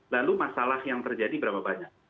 lalu masalah yang terjadi berapa banyak